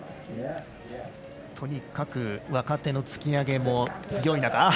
とにかく若手の突き上げも強い中。